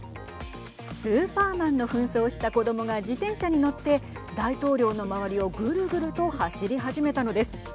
スーパーマンのふん装をした子どもが自転車に乗って大統領の周りをぐるぐると走り始めたのです。